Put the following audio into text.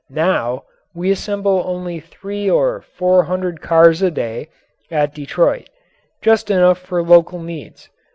Now, we assemble only three or four hundred cars a day at Detroit just enough for local needs.